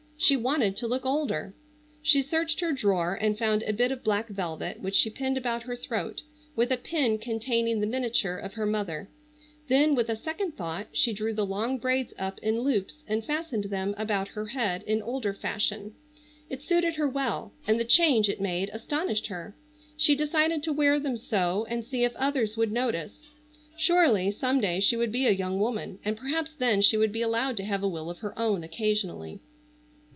She wanted to look older. She searched her drawer and found a bit of black velvet which she pinned about her throat with a pin containing the miniature of her mother, then with a second thought she drew the long braids up in loops and fastened them about her head in older fashion. It suited her well, and the change it made astonished her. She decided to wear them so and see if others would notice. Surely, some day she would be a young woman, and perhaps then she would be allowed to have a will of her own occasionally.